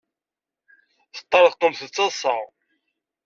Teṭṭerḍqemt d taḍsa.